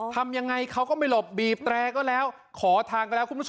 ทำยังไงเขาก็ไม่หลบบีบแตรก็แล้วขอทางกันแล้วคุณผู้ชม